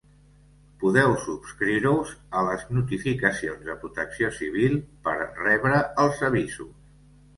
Podeu subscriure-us a les notificacions de Protecció Civil per rebre els avisos.